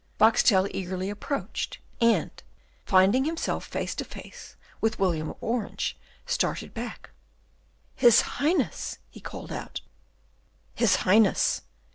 Boxtel eagerly approached, and, finding himself face to face with William of Orange, started back. "His Highness!" he called out. "His Highness!"